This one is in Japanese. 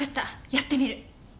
やってみる。